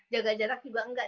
jaga jarak juga enggak